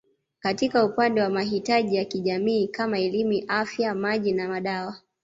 Katika upande wa mahitaji ya kijamii kama elimu Afya Maji na madawa